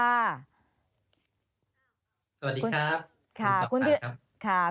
สวัสดีครับคุณศัพท์ครับ